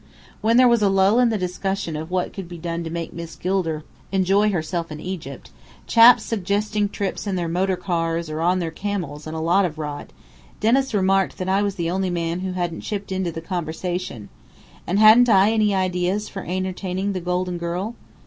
When there was a lull in the discussion of what could be done to make Miss Gilder enjoy herself in Egypt chaps suggesting trips in their motor cars or on their camels and a lot of rot, Dennis remarked that I was the only man who hadn't chipped into the conversation. And hadn't I any ideas for entertaining the Golden Girl?